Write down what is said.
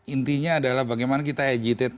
intinya adalah bagaimana kita agitate